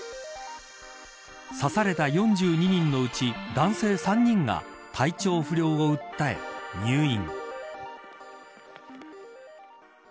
刺された４２人のうち男性３人が体調不良を訴え入院。